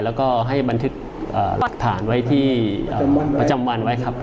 แล้วก็ให้บันทึกหลักฐานไว้ที่ประจำวันไว้ครับ